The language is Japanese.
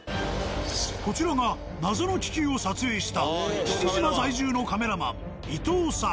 こちらが謎の気球を撮影した父島在住のカメラマン伊藤さん。